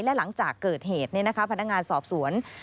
และหลังจากเกิดเหตุพนักงานสอบสวน